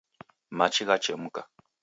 Machi ghachemka.